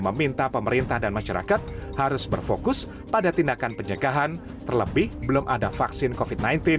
meminta pemerintah dan masyarakat harus berfokus pada tindakan penjagaan terlebih belum ada vaksin covid sembilan belas